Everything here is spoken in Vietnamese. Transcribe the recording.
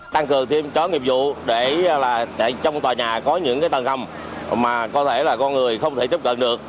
tăng cường thêm chó nghiệp vụ để trong tòa nhà có những tầng hầm mà có thể là con người không thể tiếp cận được